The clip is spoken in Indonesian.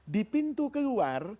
di pintu keluar